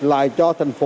lại cho thành phố